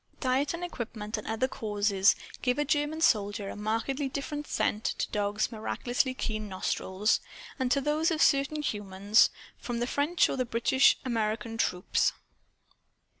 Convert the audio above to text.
Diet and equipment and other causes give a German soldier a markedly different scent, to dogs' miraculously keen nostrils, and to those of certain humans, from the French or British or American troops.